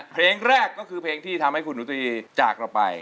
เพลงแรกก็คือเพลงที่ทำให้คุณหนูตรีจากเราไป